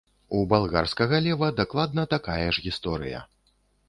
У балгарскага лева дакладна такая ж гісторыя.